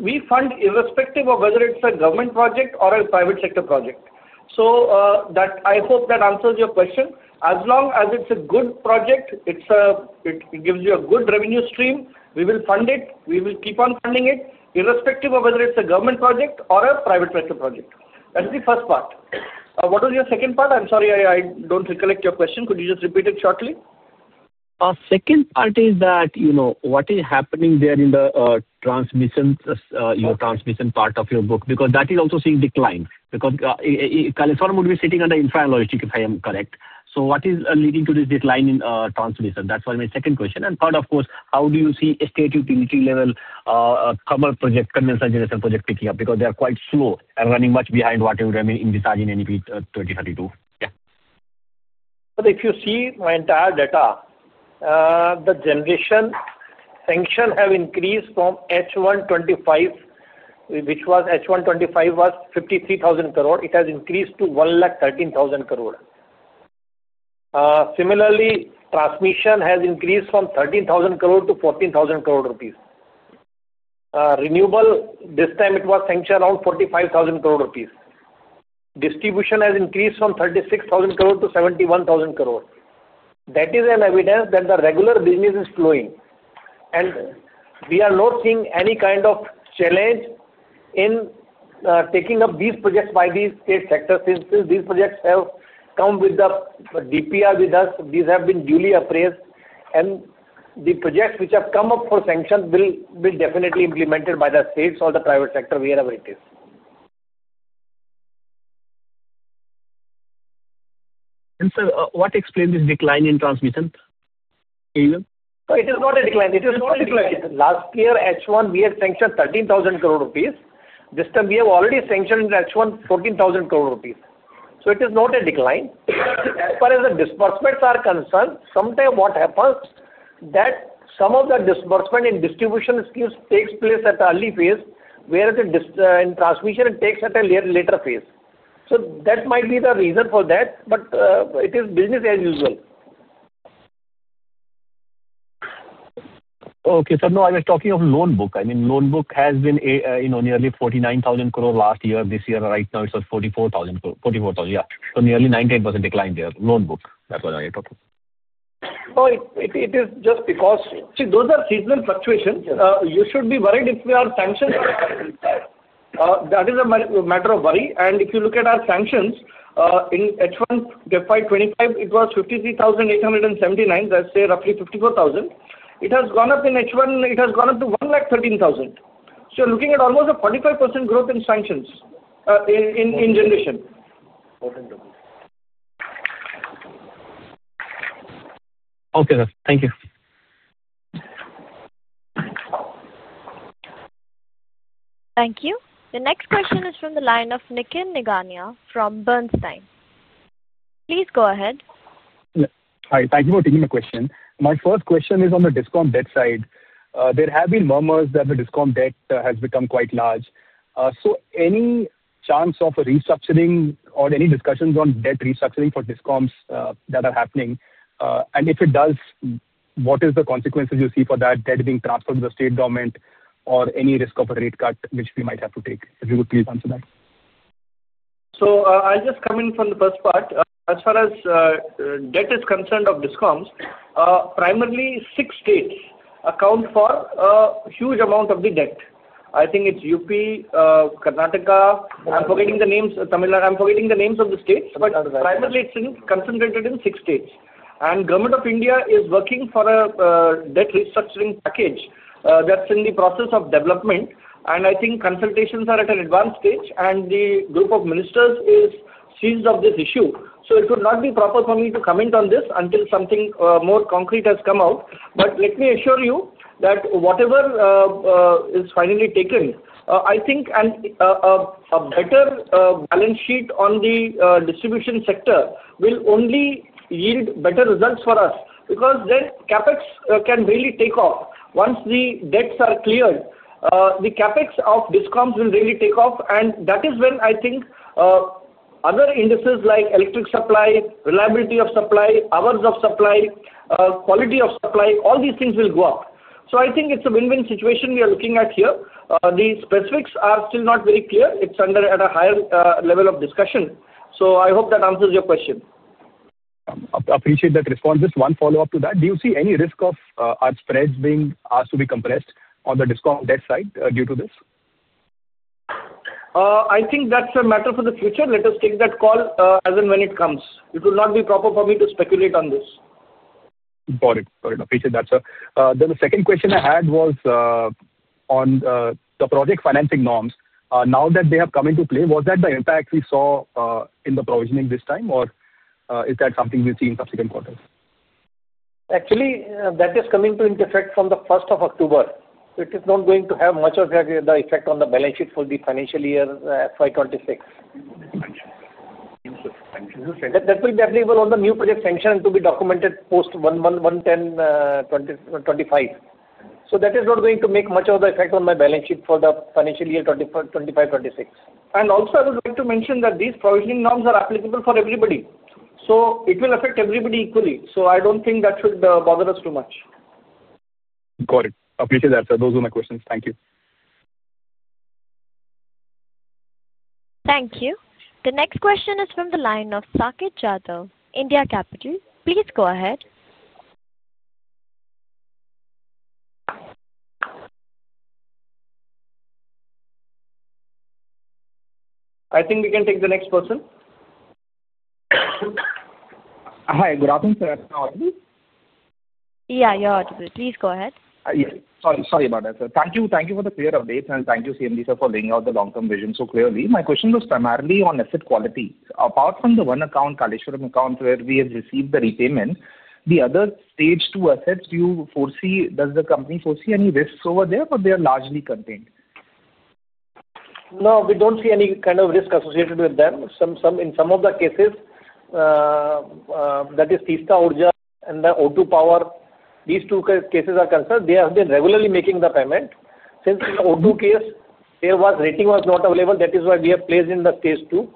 We fund irrespective of whether it's a government project or a private sector project. I hope that answers your question. As long as it's a good project, it gives you a good revenue stream, we will fund it. We will keep on funding it irrespective of whether it's a government project or a private sector project. That's the first part. What was your second part? I'm sorry, I don't recollect your question. Could you just repeat it shortly? Our second part is that you know what is happening there in the transmission, your transmission part of your book, because that is also seeing decline. Kaleshwaram would be sitting under infra and logistics, if I am correct. What is leading to this decline in transmission? That's why my second question. Third, of course, how do you see estate utility level commerce project, conventional generation project picking up? They are quite slow and running much behind whatever we're in in NEP 2032. Yeah. If you see my entire data, the generation sanctions have increased from 53,000 crore in H1 2025 to 1,13,000 crore. Similarly, transmission has increased from 13,000 crore-14,000 crore rupees. Renewable, this time it was sanctioned around 45,000 crore rupees. Distribution has increased from 36,000 crore-71,000 crore. That is evidence that the regular business is flowing. We are not seeing any kind of challenge in taking up these projects by the state sector since these projects have come with the DPR with us. These have been duly appraised. The projects which have come up for sanctions will be definitely implemented by the states or the private sector, wherever it is. What explains this decline in transmission? It is not a decline. It is not a decline. Last year, H1, we had sanctioned 13,000 crore rupees. This time, we have already sanctioned H1 14,000 crore rupees. It is not a decline. As far as the disbursements are concerned, sometimes what happens is that some of the disbursement in distribution schemes takes place at the early phase, whereas in transmission, it takes at a later phase. That might be the reason for that, but it is business as usual. Okay. I was talking of loan book. I mean, loan book has been nearly 49,000 crore last year. This year, right now, it's 44,000 crore. Yeah, nearly a 19% decline there, loan book. That's what I was talking about. Oh, it is just because, see, those are seasonal fluctuations. You should be worried if there are sanctions or not. That is a matter of worry. If you look at our sanctions, in H1 FY 2025, it was INR 53,879 million, let's say roughly INR 54,000 million. It has gone up in H1. It has gone up to INR 113,000 million. You're looking at almost a 45% growth in sanctions in generation. Okay, sir. Thank you. Thank you. The next question is from the line of Nikhil Nigania from Bernstein. Please go ahead. Hi. Thank you for taking my question. My first question is on the DISCOM debt side. There have been rumors that the DISCOM debt has become quite large. Is there any chance of restructuring or any discussions on debt restructuring for DISCOMs that are happening? If it does, what are the consequences you see for that debt being transferred to the state government or any risk of a rate cut which we might have to take? If you could please answer that. I'll just come in from the first part. As far as debt is concerned of DISCOMs, primarily six states account for a huge amount of the debt. I think it's UP, Karnataka. I'm forgetting the names of the states, but primarily it's concentrated in six states. The Government of India is working for a debt restructuring package that's in the process of development. I think consultations are at an advanced stage, and the group of ministers is seized of this issue. It would not be proper for me to comment on this until something more concrete has come out. Let me assure you that whatever is finally taken, I think a better balance sheet on the distribution sector will only yield better results for us because then CapEx can really take off. Once the debts are cleared, the CapEx of DISCOMs will really take off. That is when I think other indices like electric supply, reliability of supply, hours of supply, quality of supply, all these things will go up. I think it's a win-win situation we are looking at here. The specifics are still not very clear. It's under at a higher level of discussion. I hope that answers your question. I appreciate that response. Just one follow-up to that. Do you see any risk of our spreads being asked to be compressed on the discount debt side due to this? I think that's a matter for the future. Let us take that call as and when it comes. It will not be proper for me to speculate on this. Got it. Appreciate that, sir. The second question I had was on the project financing norms. Now that they have come into play, was that the impact we saw in the provisioning this time, or is that something we'll see in subsequent quarters? Actually, that is coming to intersect from the 1st of October. It is not going to have much of the effect on the balance sheet for the financial year 2026. Gotcha. Understood. That will be available on the new project sanction and to be documented post 1/1/2025. That is not going to make much of the effect on my balance sheet for the financial year 2025/2026. I would also like to mention that these provisioning norms are applicable for everybody. It will affect everybody equally. I don't think that should bother us too much. Got it. Appreciate that, sir. Those are my questions. Thank you. Thank you. The next question is from the line of Saket Yadav, India Capital. Please go ahead. I think we can take the next person. Hi, good afternoon, sir. Yeah, you're all right. Yeah, you're all right. Please go ahead. Sorry about that, sir. Thank you. Thank you for the clear updates, and thank you, CMD, sir, for laying out the long-term vision so clearly. My question was primarily on asset quality. Apart from the one account, Kaleshwaram account, where we have received the repayment, the other stage two assets, do you foresee, does the company foresee any risks over there, or are they largely contained? No, we don't see any kind of risk associated with them. In some of the cases, that is Teesta Urja and the Odu Power. These two cases are concerned, they have been regularly making the payment. Since the Odu case, their rating was not available, that is why we have placed in the stage two.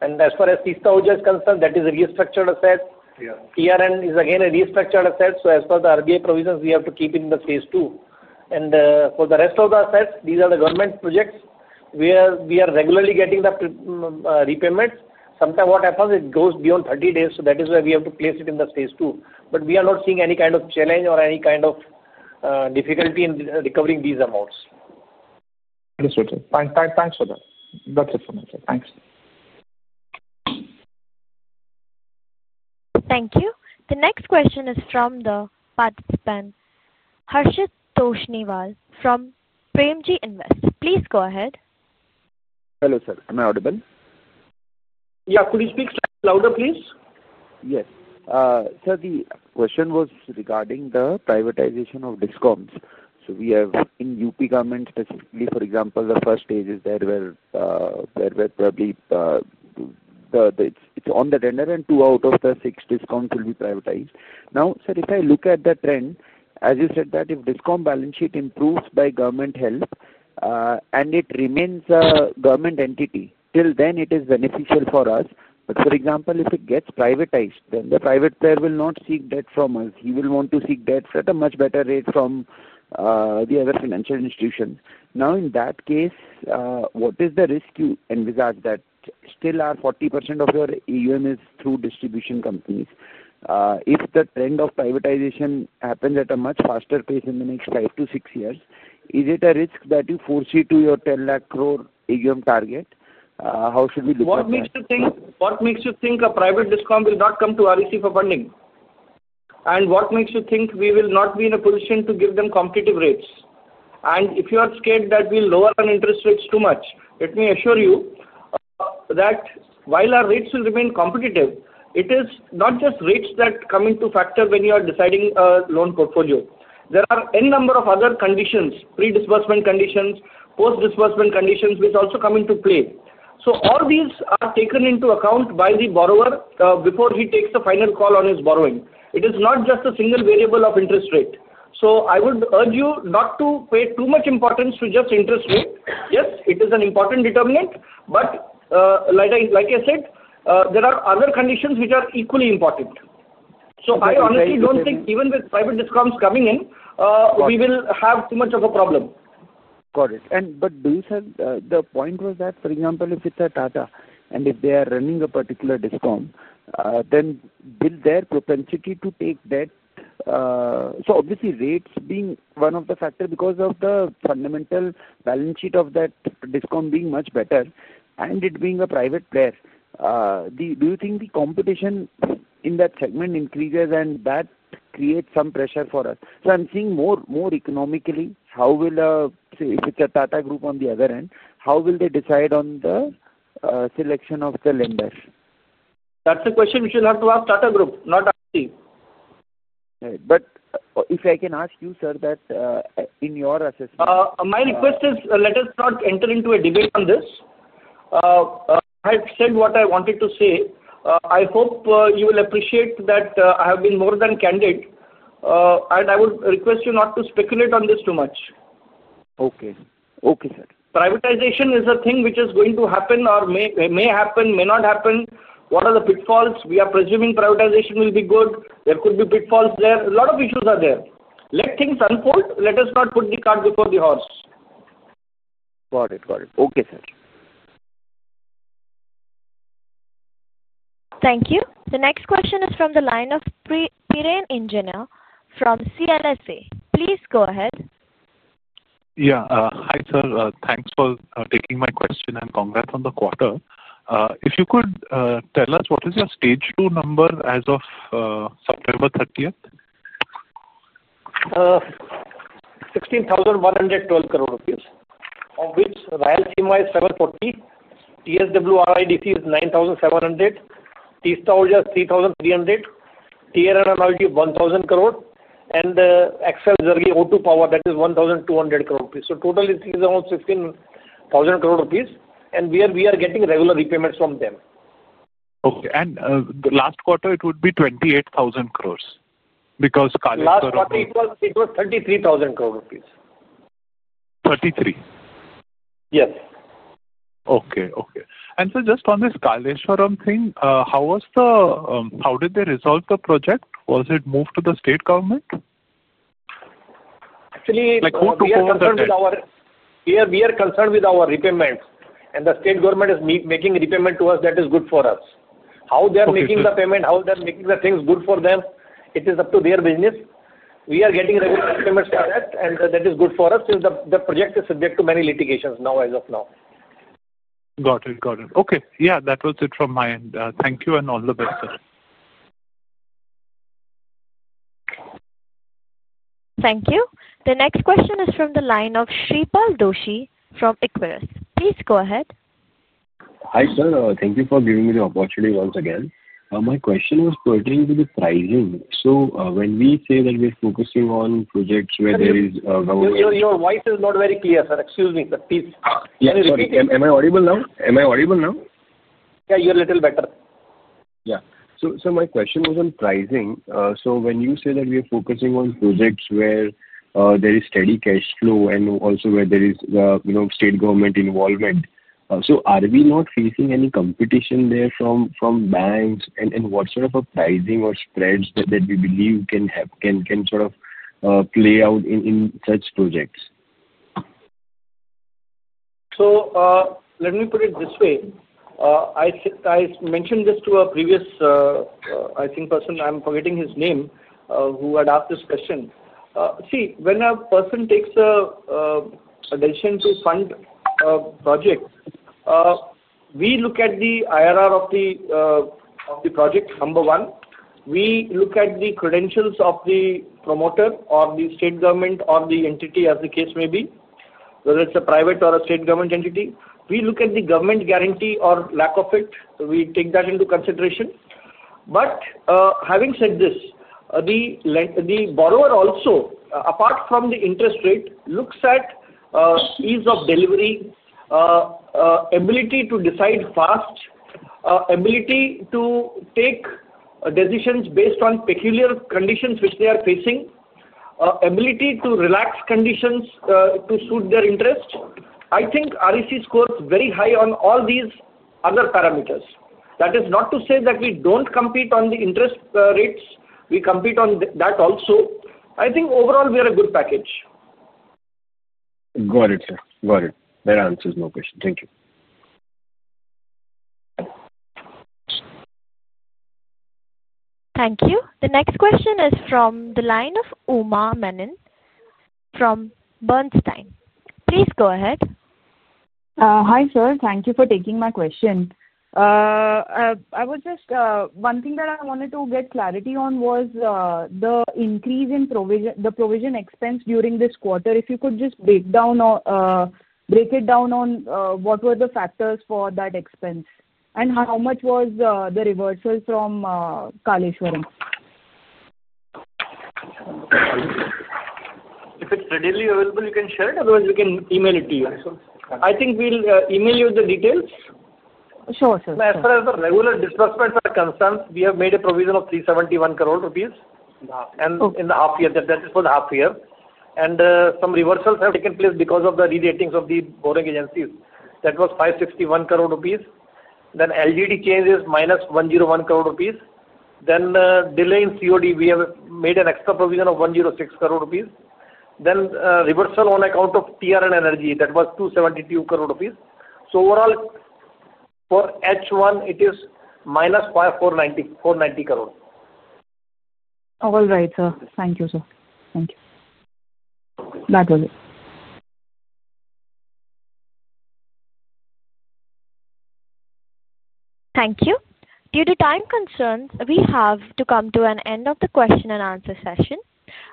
As far as Teesta Urja is concerned, that is a restructured asset. TRN is again a restructured asset. As per the RBI provisions, we have to keep it in the stage two. For the rest of the assets, these are the government projects where we are regularly getting the repayments. Sometimes what happens, it goes beyond 30 days, that is why we have to place it in the stage two. We are not seeing any kind of challenge or any kind of difficulty in recovering these amounts. Understood, sir. Thanks for that. That's it for me, sir. Thanks. Thank you. The next question is from the participant, Harshit Toshniwal from Premji Invest. Please go ahead. Hello, sir. Am I audible? Yeah, could you speak louder, please? Yes, sir, the question was regarding the privatization of DISCOMs. We have in UP government, specifically, for example, the first stages there were probably it's on the tender and two out of the six DISCOMs will be privatized. Now, sir, if I look at the trend, as you said, that if DISCOM balance sheet improves by government help and it remains a government entity, till then it is beneficial for us. For example, if it gets privatized, then the private player will not seek debt from us. He will want to seek debt at a much better rate from the other financial institutions. In that case, what is the risk you envisage that still 40% of your AUM is through distribution companies? If the trend of privatization happens at a much faster pace in the next five to six years, is it a risk that you foresee to your 10 lakh crore AUM target? How should we look at that? What makes you think a private discount will not come to REC for funding? What makes you think we will not be in a position to give them competitive rates? If you are scared that we'll lower our interest rates too much, let me assure you that while our rates will remain competitive, it is not just rates that come into factor when you are deciding a loan portfolio. There are a number of other conditions, pre-disbursement conditions, post-disbursement conditions, which also come into play. All these are taken into account by the borrower before he takes the final call on his borrowing. It is not just a single variable of interest rate. I would urge you not to pay too much importance to just interest rate. Yes, it is an important determinant. Like I said, there are other conditions which are equally important. I honestly don't think even with private discounts coming in, we will have too much of a problem. Got it. The point was that, for example, if it's a Tata and if they are running a particular DISCOM, then will their propensity to take debt, so obviously rates being one of the factors because of the fundamental balance sheet of that DISCOM being much better and it being a private player, do you think the competition in that segment increases and that creates some pressure for us? I'm seeing more economically, how will, say, if it's a Tata Group on the other end, how will they decide on the selection of the lender? That's a question which you'll have to ask Tata Group, not IT. Right. If I can ask you, sir, in your assessment. My request is let us not enter into a debate on this. I've said what I wanted to say. I hope you will appreciate that I have been more than candid, and I would request you not to speculate on this too much. Okay, sir. Privatization is a thing which is going to happen or may happen, may not happen. What are the pitfalls? We are presuming privatization will be good. There could be pitfalls there. A lot of issues are there. Let things unfold. Let us not put the cart before the horse. Got it. Got it. Okay, sir. Thank you. The next question is from the line of Piran Engineer from CLSA. Please go ahead. Hi, sir. Thanks for taking my question and congrats on the quarter. If you could tell us what is your stage two number as of September 30th? 16,112 crore rupees, of which Ryan Simha is 740 crore, TSW-RIDC is 9,700 crore, Teesta Urja is 3,300 crore, TRN MLG is 1,000 crore, and the XL Jarghi Odu Power is 1,200 crore rupees. The total is around 16,000 crore rupees, and we are getting regular repayments from them. Okay. Last quarter, it would be 28,000 crore because Kaleshwaram. Last quarter, it was 33,000 crore rupees. 33? Yes. Okay. Sir, just on this Kaleshwaram thing, how did they resolve the project? Was it moved to the state government? Actually, we are concerned with our repayments, and the state government is making repayment to us. That is good for us. How they are making the payment, how they are making the things good for them, it is up to their business. We are getting regular payments for that, and that is good for us since the project is subject to many litigations as of now. Got it. Okay. Yeah, that was it from my end. Thank you and all the best, sir. Thank you. The next question is from the line of Shreepal Doshi from Equirus. Please go ahead. Hi, sir. Thank you for giving me the opportunity once again. My question was pertaining to the pricing. When we say that we're focusing on projects where there is government. Your voice is not very clear, sir. Excuse me, but please. Am I audible now? Yeah, you're a little better. Yeah, my question was on pricing. When you say that we are focusing on projects where there is steady cash flow and also where there is state government involvement, are we not facing any competition there from banks? What sort of pricing or spreads do we believe can play out in such projects? Let me put it this way. I mentioned this to a previous person. I'm forgetting his name who had asked this question. When a person takes a decision to fund a project, we look at the IRR of the project, number one. We look at the credentials of the promoter or the state government or the entity, as the case may be, whether it's a private or a state government entity. We look at the government guarantee or lack of it. We take that into consideration. Having said this, the borrower also, apart from the interest rate, looks at ease of delivery, ability to decide fast, ability to take decisions based on peculiar conditions which they are facing, ability to relax conditions to suit their interest. I think REC scores very high on all these other parameters. That is not to say that we don't compete on the interest rates. We compete on that also. I think overall we are a good package. Got it, sir. Got it. That answers my question. Thank you. Thank you. The next question is from the line of Uma Menon from Bernstein. Please go ahead. Hi, sir. Thank you for taking my question. One thing that I wanted to get clarity on was the increase in the provision expense during this quarter. If you could just break down or break it down on what were the factors for that expense and how much was the reversal from Kaleshwaram. If it's readily available, you can share it. Otherwise, we can email it to you. I think we'll email you the details. Sure, sir. As far as the regular disbursements are concerned, we have made a provision of 371 crore rupees. In the half year, that is for the half year, some reversals have taken place because of the rebatings of the borrowing agencies. That was 561 crore rupees. LGD changes -101 crore rupees. Delay in COD, we have made an extra provision of 106 crore rupees. Reversal on account of TRN Energy was 272 crore rupees. Overall, for H1, it is -490 crore. All right, sir. Thank you, sir. Thank you. That was it. Thank you. Due to time concerns, we have to come to an end of the question and answer session.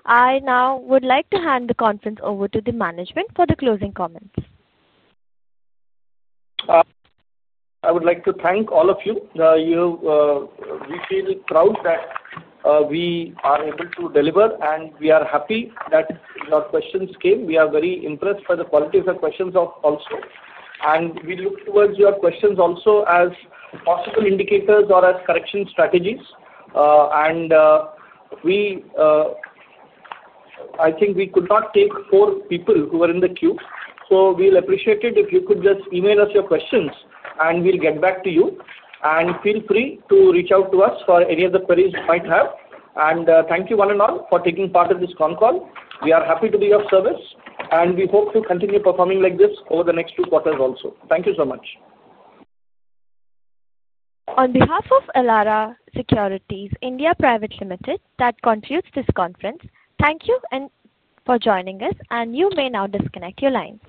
I now would like to hand the conference over to the management for the closing comments. I would like to thank all of you. We feel proud that we are able to deliver, and we are happy that your questions came. We are very impressed by the quality of the questions also. We look towards your questions also as possible indicators or as correction strategies. I think we could not take four people who were in the queue. We would appreciate it if you could just email us your questions, and we'll get back to you. Feel free to reach out to us for any other queries you might have. Thank you one and all for taking part in this con call. We are happy to be of service, and we hope to continue performing like this over the next two quarters also. Thank you so much. On behalf of Elara Securities India Private Limited, that concludes this conference. Thank you for joining us, and you may now disconnect your lines.